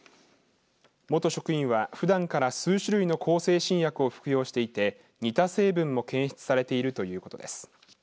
元職員はふだんから数種類の向精神薬を服用していて似た成分も検出されているということです。